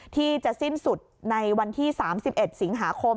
ที่จะสิ้นสุดในวันที่๓๑สิงหาคม